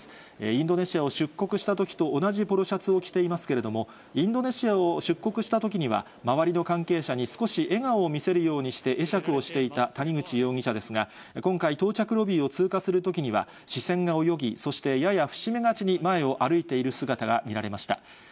インドネシアを出国したときと同じポロシャツを着ていますけれども、インドネシアを出国したときには、周りの関係者に少し笑顔を見せるようにして会釈をしていた谷口容疑者ですが、今回、到着ロビーを通過するときには視線が泳ぎ、そしてやや伏し目がちに前を歩いている姿が見られました。